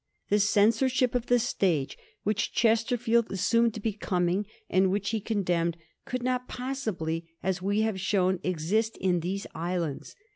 The censorship of the stage which Chesterfield assumed to be coming, and which he condemned, could not possibly, as we have shown, exist in these islands.